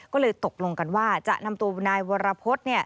ก็เลยตกลงกันว่าจะนำตัวนายวรพฤษ